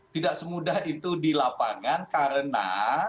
tidak semudah itu di lapangan karena